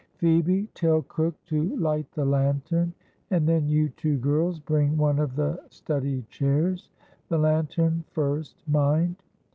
"Phoebe, tell cook to light the lantern, and then you two girls bring one of the study chairs the lantern first, mind.